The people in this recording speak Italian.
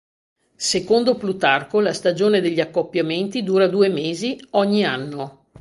Secondo Plutarco la stagione degli accoppiamenti dura due mesi, ogni anno.